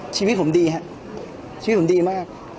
ชีวิตผมดีฮะชีวิตผมดีมาก